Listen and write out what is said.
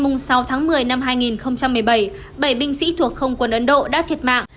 ngày sáu tháng một mươi năm hai nghìn một mươi bảy bảy binh sĩ thuộc không quân ấn độ đã thiệt mạng